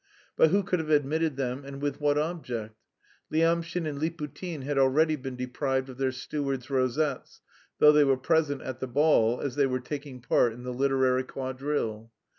But who could have admitted them, and with what object? Lyamshin and Liputin had already been deprived of their steward's rosettes, though they were present at the ball, as they were taking part in the "literary quadrille."